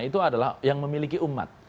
itu adalah yang memiliki umat